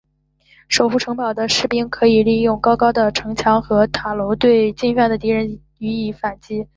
守护城堡的士兵可以利用高高的城墙和塔楼对进犯的敌人予以反击。